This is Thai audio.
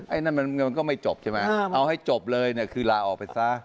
ไอ้นั่นมันก็ไม่จบใช่ไหมเอาให้จบเลยเนี่ยคือลาออกไปซะ